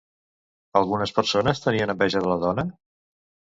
Algunes persones tenien enveja de la dona?